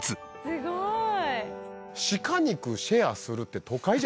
すごい。